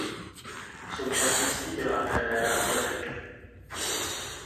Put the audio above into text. V současnosti dělá trenéra atletiky.